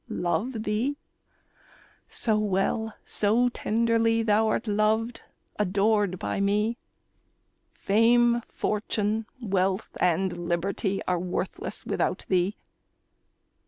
Love thee? so well, so tenderly, Thou'rt loved, adored by me, Fame, fortune, wealth, and liberty, Are worthless without thee.